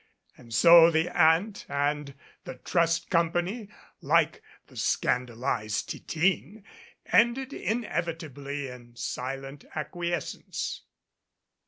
And so the Aunt and the Trust Company, like the scan dalized Titine, ended inevitably in silent acquiescence.